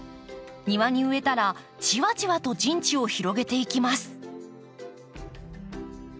庭に植えたらじわじわと陣地を広げていきます。